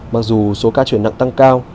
mặc dù số ca chuyển nặng tăng cao